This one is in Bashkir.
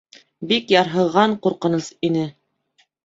Бик ярһыған, ҡурҡыныс ине.